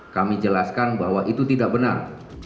kami jelaskan bahwa itu tidak benar